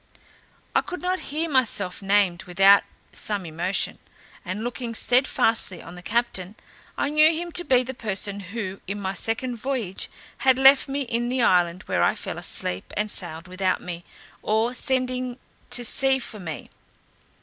I could not hear myself named without some emotion; and looking stedfastly on the captain, I knew him to be the person who, in my second voyage, had left me in the island where I fell asleep, and sailed without me, or sending to see for me.